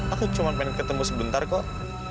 aku cuma pengen ketemu sebentar kok